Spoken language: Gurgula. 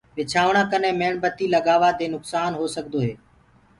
ٻِچآوڻآ ڪني ميڻ بتي لگآوآ دي نڪسآن هو سڪدو هي۔